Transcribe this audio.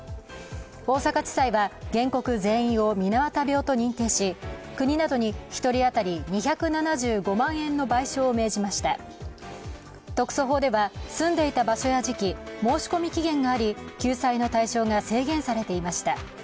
大阪地裁は原告全員を水俣病と認定し、国などに１人当たり２７５万円の賠償を命じました特措法では、住んでいた場所や時期、申し込み期限があり救済の対象が制限されていました。